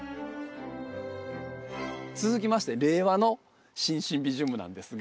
続きまして令和の新シンビジウムなんですが。